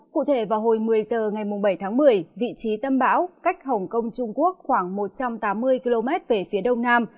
cụ thể vào hồi một mươi h ngày bảy tháng một mươi vị trí tâm bão cách hồng kông trung quốc khoảng một trăm tám mươi km về phía đông nam